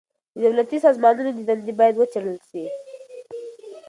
د دولتي سازمانونو دندي بايد وڅېړل سي.